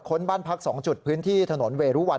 บ้านพัก๒จุดพื้นที่ถนนเวรุวัน